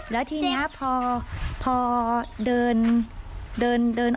แล้วทีนี้พอเติน